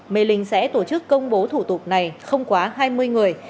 mê linh sẽ tổ chức công bố thủ tục này không quá hai mươi người